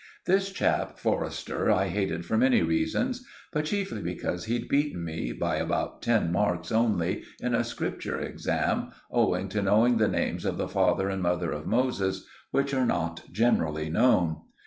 This chap Forrester I hated for many reasons, but chiefly because he'd beaten me, by about ten marks only, in a Scripture exam, owing to knowing the names of the father and mother of Moses, which are not generally known.